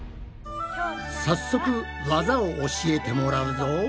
早速技を教えてもらうぞ。